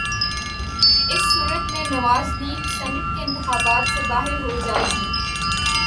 اس صورت میں Nawaz league senate کے انتخابات سے باہر ہو جائے گی۔